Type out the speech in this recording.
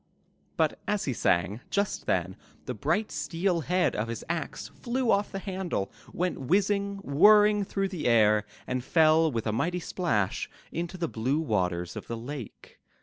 *' But as he sang, just then the bright steel head of his axe flew off the handle, went whizzing, whirring through the air, and fell with a mighty splash into the blue waters of the lake.